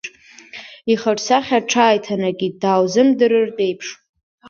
Ихиҿсахьа аҽааиҭанакит, дааузымдырыртә еиԥш.